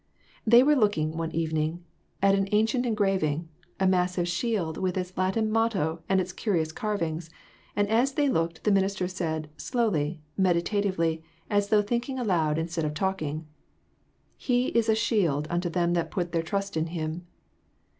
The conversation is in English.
They were looking, one evening, at an ancient engraving; a massive shield with its Latin motto and its curious carvings, and as they looked, the minister said, slowly, meditatively, as though thinking aloud instead of talking "He is a shield unto them that put their trust in Him."